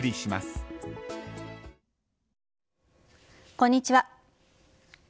こんにちは。